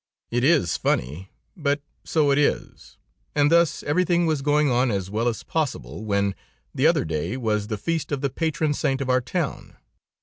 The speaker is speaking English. "It is funny, but so it is, and thus everything was going on as well as possible, when, the other day, was the feast of the patron saint of our town.